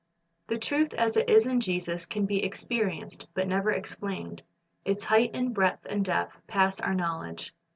The truth as it is in Jesus can be experienced, but never explained. Its height and breadth and depth pass our knowledge.